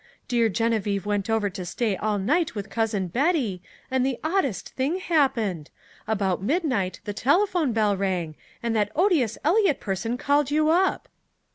Dear Geneviève went over to stay all night with Cousin Betty, and the oddest thing happened. About midnight the telephone bell rang, and that odious Eliot person called you up!"